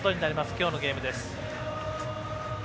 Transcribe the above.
今日のゲームです。